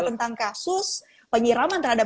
tentang kasus penyiraman terhadap